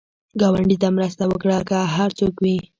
ګاونډي ته مرسته وکړه، که هر څوک وي